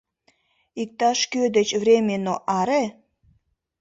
Иктаж-кӧ деч временно аре!